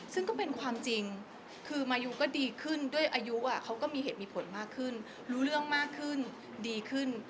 ซึ่งก็เป็นความจริงคือมายูก็ดีขึ้นด้วยอายุเขาก็มีเหตุมีผลมากขึ้นรู้เรื่องมากขึ้นดีขึ้น